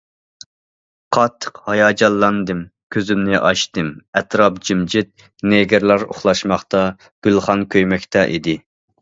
قاتتىق ھاياجانلاندىم، كۆزۈمنى ئاچتىم، ئەتراپ جىمجىت، نېگىرلار ئۇخلاشماقتا، گۈلخان كۆيمەكتە ئىدى.